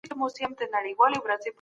که تعلیم موخه ولري، هڅه بې لوري نه کېږي.